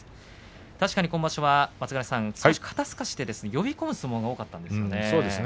確かに今場所は最初、肩すかしで呼び込む相撲が多かったですよね。